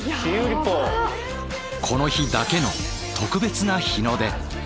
この日だけの特別な日の出。